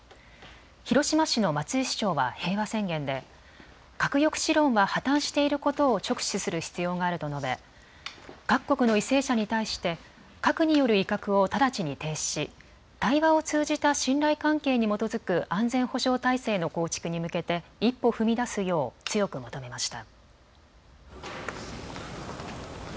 広島市の松井市長は平和宣言で核抑止論は破綻していることを直視する必要があると述べ、各国の為政者に対して核による威嚇を直ちに停止し対話を通じた信頼関係に基づく安全保障体制の構築に向けて一歩を踏み出すよう強く求めました。